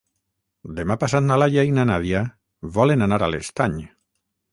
Demà passat na Laia i na Nàdia volen anar a l'Estany.